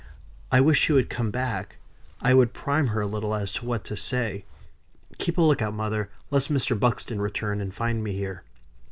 I wish she would come back; I would prime her a little as to what to say. Keep a look out, mother, lest Mr. Buxton returns and find me here."